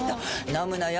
飲むのよ